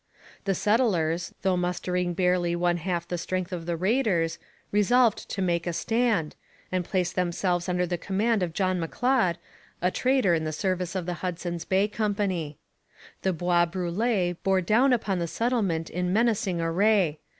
The settlers, though mustering barely one half the strength of the raiders, resolved to make a stand, and placed themselves under the command of John M'Leod, a trader in the service of the Hudson's Bay Company. The Bois Brûlés bore down upon the settlement in menacing array.